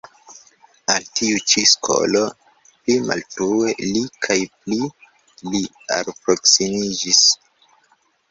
Al tiu ĉi skolo pli malfrue pli kaj pli li alproksimiĝis.